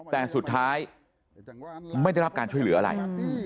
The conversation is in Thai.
แต่สุดท้ายไม่ได้รับการช่วยเหลืออะไร